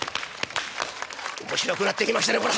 「面白くなってきましたねこれ。